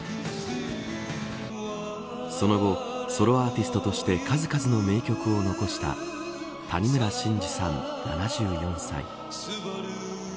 その後、ソロアーティストとして数々の名曲を残した谷村新司さん７４歳。